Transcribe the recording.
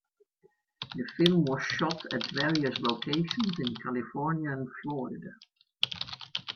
The film was shot at various locations in California and Florida.